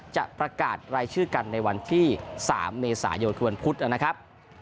จะประกาศรายชื่อกันในวันที่๓เมษายนคือวันพุธนะครับ